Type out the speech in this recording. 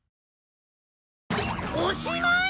おしまい！？